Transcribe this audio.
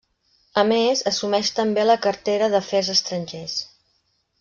A més, assumeix també la cartera d'Afers Estrangers.